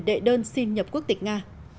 đệ đơn xin nhập quốc tịch nga